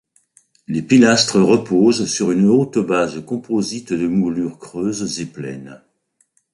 Les pilastres reposent sur une haute base composite de moulures creuses et pleines.